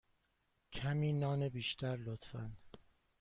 کمی نان بیشتر، لطفا.